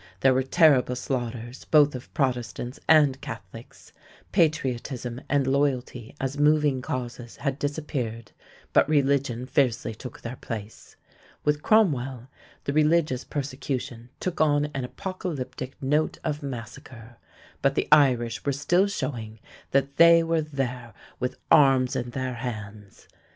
there were terrible slaughters both of Protestants and Catholics. Patriotism and loyalty as moving causes had disappeared, but religion fiercely took their place. With Cromwell, the religious persecution took on an apocalyptic note of massacre, but the Irish were still showing that they were there with arms in their hands.